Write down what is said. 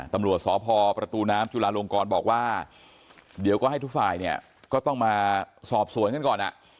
ตำรวจสพประตูน้ำจุลาลงกรบอกว่าเดี๋ยวก็ให้ทุกฝ่ายเนี่ยก็ต้องมาสอบสวนกันก่อน